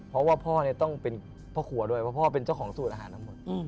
เพราะว่าพ่อเนี่ยต้องเป็นพ่อครัวด้วยเพราะพ่อเป็นเจ้าของสูตรอาหารทั้งหมด